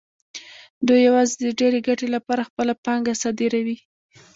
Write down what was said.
دوی یوازې د ډېرې ګټې لپاره خپله پانګه صادروي